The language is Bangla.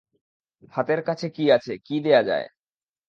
হাতের কাছে কী আছে, কী দেওয়া যায়।